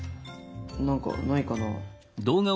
何かないかな？